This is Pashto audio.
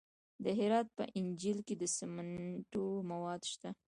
د هرات په انجیل کې د سمنټو مواد شته.